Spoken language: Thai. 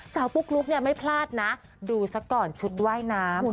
เศร้าปุ๊กลุ๊กไม่พลาดนะดูสักก่อนชุดว่ายน้ำ